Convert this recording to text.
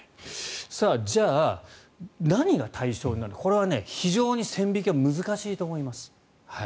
じゃあ、何が対象になるのかこれは非常に線引きは難しいと思います。